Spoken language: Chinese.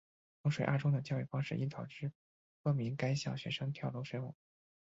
衡水二中的教育方式已导致多名该校学生跳楼身亡。